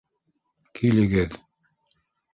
Килегеҙ.